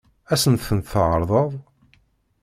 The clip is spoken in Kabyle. Ad sen-tent-tɛeṛḍeḍ?